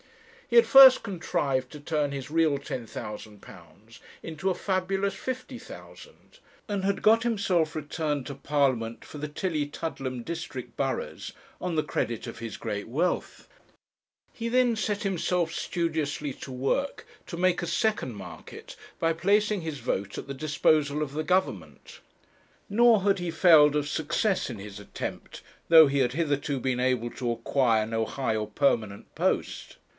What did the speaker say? He had first contrived to turn his real £10,000 into a fabulous £50,000, and had got himself returned to Parliament for the Tillietudlem district burghs on the credit of his great wealth; he then set himself studiously to work to make a second market by placing his vote at the disposal of the Government. Nor had he failed of success in his attempt, though he had hitherto been able to acquire no high or permanent post.